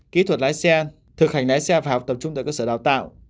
kỹ thuật lái xe thực hành lái xe và học tập trung tại cơ sở đào tạo